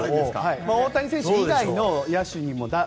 大谷選手以外の打者にも。